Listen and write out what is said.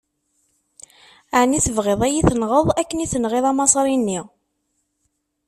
Ɛni tebɣiḍ ad yi-tenɣeḍ akken i tenɣiḍ Amaṣri-nni?